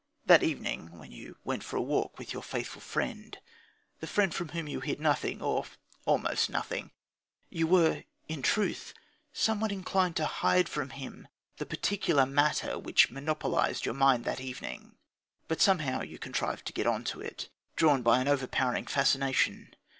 That evening when you went for a walk with your faithful friend, the friend from whom you hid nothing or almost nothing ...! You were, in truth, somewhat inclined to hide from him the particular matter which monopolised your mind that evening, but somehow you contrived to get on to it, drawn by an overpowering fascination.